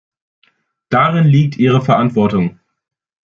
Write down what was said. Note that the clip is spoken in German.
Darin liegt ihre Verantwortung.